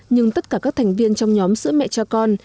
nhưng tất cả các thành viên trong nhóm sữa mẹ cho con